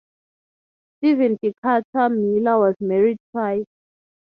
Stephen Decatur Miller was married twice.